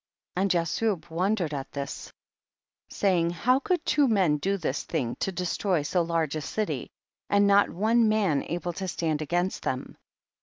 42. And Jashub wondered at this, saying, how could two men do this thing, to destroy so large a city, and not one man able to stand against them